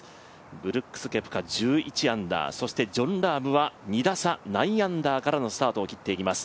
ブルックス・ケプカ１１アンダー、そしてジョン・ラームは２打差、９アンダーからのスタートを切っています。